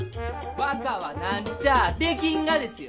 若はなんちゃあできんがですよ！